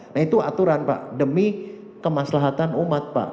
nah itu aturan pak demi kemaslahatan umat pak